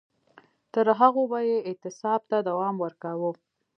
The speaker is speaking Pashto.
تر هغو به یې اعتصاب ته دوام ورکاوه.